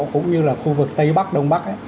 cũng như là khu vực tây bắc đông bắc